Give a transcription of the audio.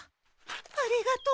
ありがとう。